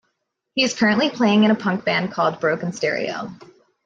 He is currently playing in a punk band called Broken Stereo.